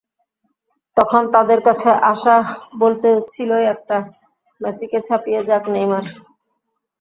তখন তাঁদের কাছে আশা বলতে ছিলই একটা, মেসিকে ছাপিয়ে যাক নেইমার।